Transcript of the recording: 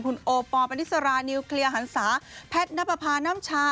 คุณโอปอลปริสรานิวเคลียร์หันศาแพทย์นับประพาน้ำชา